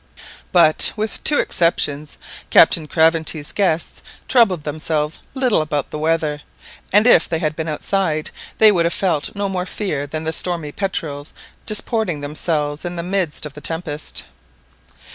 But, with two exceptions, Captain Craventy's guests troubled themselves little about the weather, and if they had been outside they would have felt no more fear than the stormy petrels disporting themselves in the midst of the tempest.